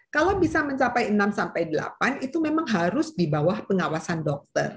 kalau bisa mencapai enam sampai delapan itu memang harus di bawah pengawasan dokter